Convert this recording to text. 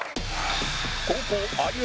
後攻有吉